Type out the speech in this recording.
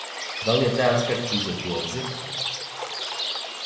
Да ли је тај аспект узет у обзир?